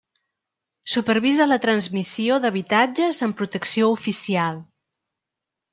Supervisa la transmissió d'habitatges amb protecció oficial.